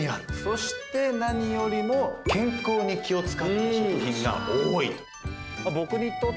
そして何よりも健康に気を使った食品が多い。